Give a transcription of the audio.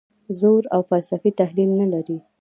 ژور او فلسفي تحلیل نه لري.